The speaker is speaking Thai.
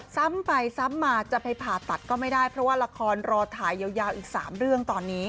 ซ้ำไปซ้ำมาจะไปผ่าตัดก็ไม่ได้เพราะว่าละครรอถ่ายยาวอีก๓เรื่องตอนนี้